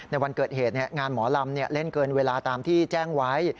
ในวันเกิดเหตุงานหมอลำเล่นเกินเวลาตามที่แจ้งไว้